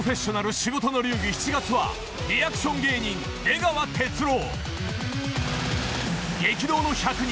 プロフェッショナル仕事の流儀、７月は、リアクション芸人、出川哲朗。